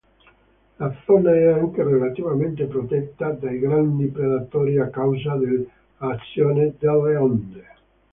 La zona è anche relativamente protetta dai grandi predatori a causa dell'azione delle onde.